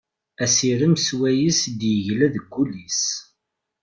Asirem swayes i d-yegla deg ul-is.